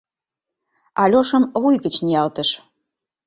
— Альошым вуй гыч ниялтыш.